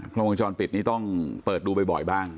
โครงพยาบาลปิดนี่ต้องเปิดดูบ่อยบ้าง